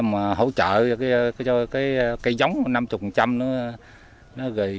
có hôm gọi là cây giống năm mươi nó gầy có hôm gọi là cây giống năm mươi nó gầy có hôm gọi là cây giống năm mươi nó gầy